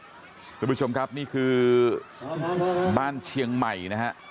สวัสดีผู้ชมครับนี่คือบ้านเชียงใหม่นะครับ